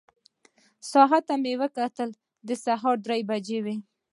ساعت ته مې وکتل، د سهار درې بجې وې.